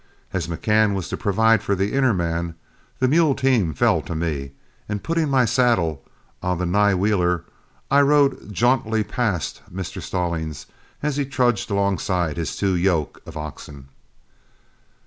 As McCann was to provide for the inner man, the mule team fell to me; and putting my saddle on the nigh wheeler, I rode jauntily past Mr. Stallings as he trudged alongside his two yoke of oxen.